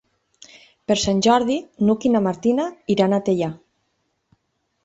Per Sant Jordi n'Hug i na Martina iran a Teià.